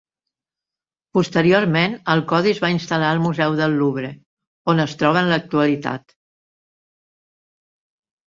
Posteriorment, el codi es va instal·lar al Museu del Louvre, on es troba en l'actualitat.